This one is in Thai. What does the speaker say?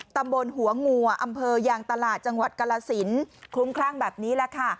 ตำบลหัวงัวอำเภอยางตลาดจังหวัดกรสินคลุ้มคลั่งแบบนี้แหละค่ะ